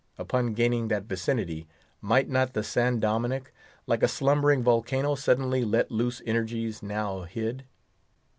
Upon gaining that vicinity, might not the San Dominick, like a slumbering volcano, suddenly let loose energies now hid?